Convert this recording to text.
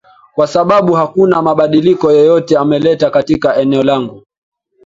kwa sababu hakuna mabadiliko yeyote ameleta katika eneo langu